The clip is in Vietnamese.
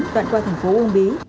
đoạn qua thành phố uông bí